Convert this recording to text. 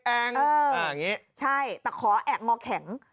อย่างนี้ใช่แต่ขอแอบงอแข็ง